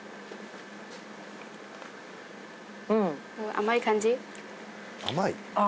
甘い感じ？